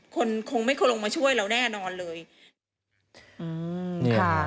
คนคงไม่คงลงมาช่วยเราแน่นอนเลย